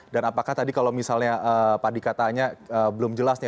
dan apakah tadi kalau misalnya pak dika tanya belum jelas nih